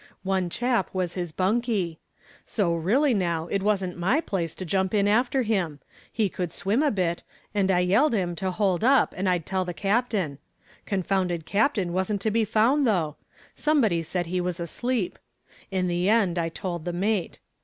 One chap was his bunkie. So, really, now, it wasn't my place to jump in after him. He could swim a bit, and I yelled to him to hold up and I'd tell the captain. Confounded captain wasn't to be found though. Somebody said he was asleep. In the end I told the mate.